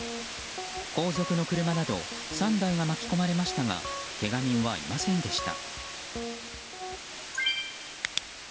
後続の車など３台が巻き込まれましたがけが人はいませんでした。